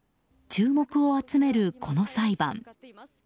注目を集めるこの裁判。